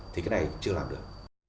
thì cái này chưa làm được